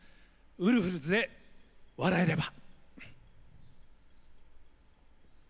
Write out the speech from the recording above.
ウルフルズで「笑えれば」。